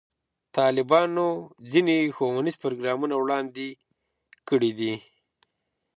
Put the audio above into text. طالبانو ځینې ښوونیز پروګرامونه وړاندې کړي دي.